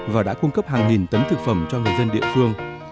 và đã cung cấp hàng nghìn tấn thực phẩm cho người dân địa phương